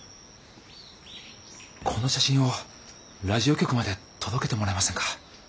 この写真をラジオ局まで届けてもらえませんか？